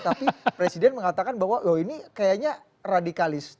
tapi presiden mengatakan bahwa loh ini kayaknya radikalis